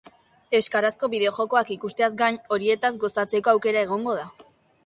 Euskarazko bideo-jokoak ikusteaz gain, horietaz gozatzeko aukera egongo da.